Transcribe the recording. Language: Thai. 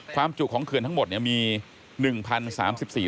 ความจุของเขื่อนทั้งหมดมี๑๐๓๔ลูกบทเม็ด